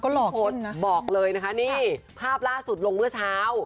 บอกเลยนะคะนี่ภาพล่าสุดลงเมื่อเช้า